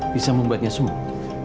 bisa membuatnya sembuh